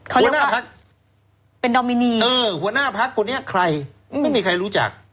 หัวหน้าพักเป็นดอมินีเออหัวหน้าพักคนนี้ใครไม่มีใครรู้จัก